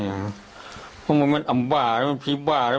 เขาเหมือนมันอำบาระมันพีปว่าแล้ว